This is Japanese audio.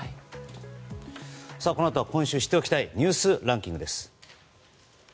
この後は今週知っておきたいニュースランキングです。